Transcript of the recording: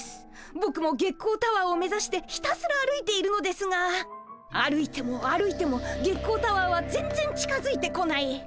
ぼくも月光タワーを目指してひたすら歩いているのですが歩いても歩いても月光タワーは全然近づいてこない。